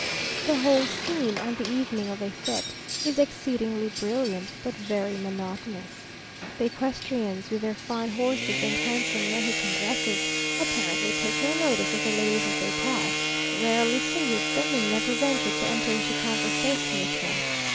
The whole scene, on the evening of a fête, is exceedingly brilliant, but very monotonous. The equestrians, with their fine horses and handsome Mexican dresses, apparently take no notice of the ladies as they pass, rarely salute them, and never venture to enter into conversation with them.